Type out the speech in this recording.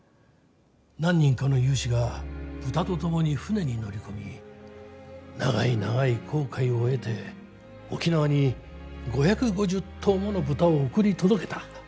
何人かの有志が豚と共に船に乗り込み長い長い航海を経て沖縄に５５０頭もの豚を送り届けた。